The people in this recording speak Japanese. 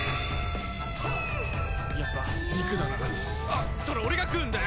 あっそれ俺が食うんだよ！